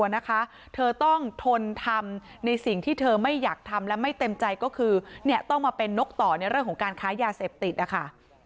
นกต่อในเรื่องของการค้ายาเสพติดนะคะ